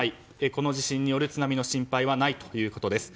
この地震による津波の心配はないということです。